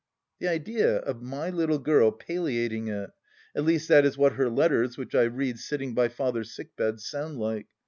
The idea of my little girl palliating it 1 At least, that is what her letters, which I read sitting by the father's sick bed, sound like.